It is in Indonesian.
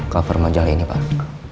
cover majalah ini pak